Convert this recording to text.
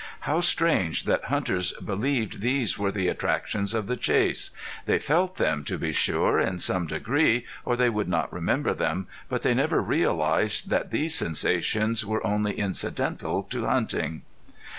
How strange that hunters believed these were the attractions of the chase! They felt them, to be sure, in some degree, or they would not remember them. But they never realized that these sensations were only incidental to hunting.